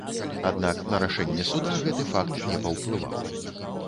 Аднак на рашэнне суда гэты факт не паўплываў.